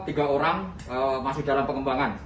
tiga orang masih dalam pengembangan